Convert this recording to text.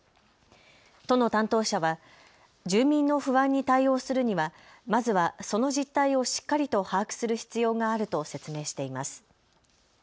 都の担当者は住民の不安に対応するにはまずはその実態をしっかりと把握する必要があると説明しています。